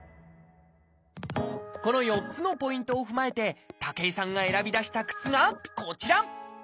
この４つのポイントを踏まえて武井さんが選び出した靴がこちら！